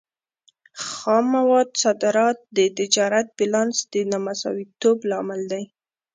خام موادو صادرات د تجارتي بیلانس د نامساواتوب لامل دی.